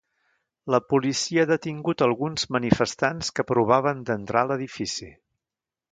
La policia ha detingut alguns manifestants que provaven d’entrar a l’edifici.